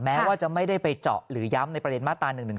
แม้ว่าจะไม่ได้ไปเจาะหรือย้ำในประเด็นมาตรา๑๑๒